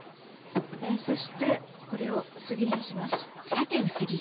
そしてこれを薄切りにします。